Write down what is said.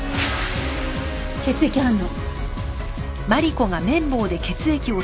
血液反応。